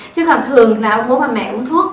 chứ còn thường là ông vô bà mẹ uống thuốc